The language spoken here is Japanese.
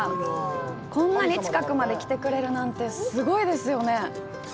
こんなに近くまで来てくれるなんてすごいですよね。